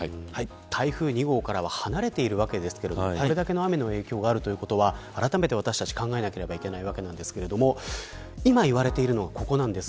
台風２号からは離れているわけですがこれだけの雨の影響があるということはあらためて私たちは考えなければいけませんが今言われているのがここなんです。